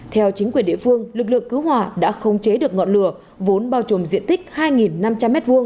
theo chính quyền địa phương lực lượng cứu hỏa đã không chế được ngọn lửa vốn bao trùm diện tích hai năm trăm linh m hai